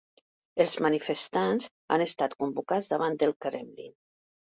Els manifestants han estat convocats davant del Kremlin